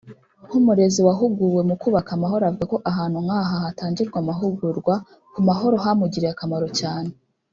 nk’umurezi wahuguwe mu kubaka amahoro avuga ko ahantu nk’aha hatangirwa amahugurwa ku mahoro hamugiriye akamaro cyane